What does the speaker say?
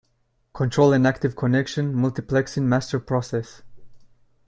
Control an active connection multiplexing master process.